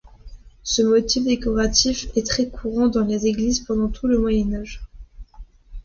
Ce motif décoratif est très courant dans les églises pendant tout le Moyen Âge.